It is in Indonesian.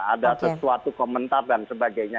ada sesuatu komentar dan sebagainya